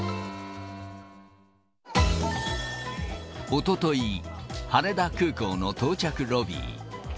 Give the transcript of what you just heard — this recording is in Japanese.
おととい、羽田空港の到着ロビー。